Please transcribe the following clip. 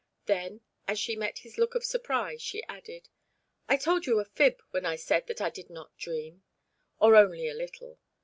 Then, as she met his look of surprise, she added: "I told you a fib when I said that I did not dream, or only a little.